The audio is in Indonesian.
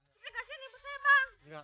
terima kasih nipu saya bang